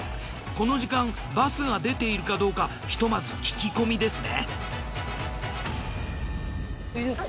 この時間バスが出ているかどうかひとまず聞き込みですね。